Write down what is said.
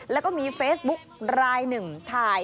แล้วก็มีเฟซบุ๊กรายหนึ่งถ่าย